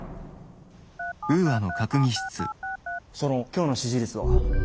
今日の支持率は？